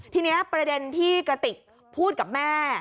ทีนี้ประเด็นที่กระติกพูดกับแม่